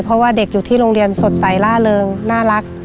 เพราะว่าเด็กอยู่ที่โรงเรียนสดใสล่าเริงน่ารัก